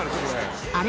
あれ？